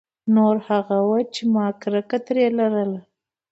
نور هغه وو چې ما کرکه ترې لرله.